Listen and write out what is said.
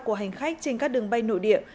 của hành khách trên các đường bay nội địa